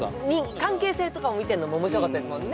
関係性とかも見てんのも面白かったですもんね